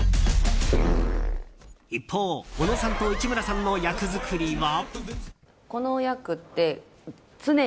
一方、尾野さんと市村さんの役作りは。